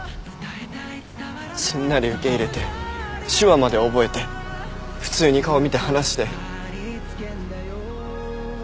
すんなり受け入れて手話まで覚えて普通に顔見て話して。